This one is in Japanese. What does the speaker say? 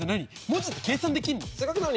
文字って計算できんの？